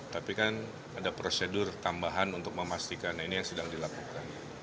tapi kan ada prosedur tambahan untuk memastikan ini yang sedang dilakukan